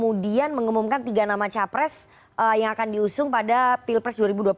tapi kita ingin mengumumkan tiga nama capres yang akan diusung pada pilpres dua ribu dua puluh empat